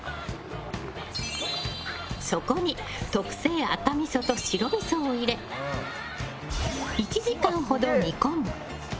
そこに特製赤みそと白みそを入れ１時間ほど煮込む。